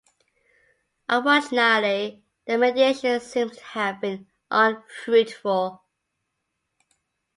Unfortunately, the mediation seems to have been unfruitful.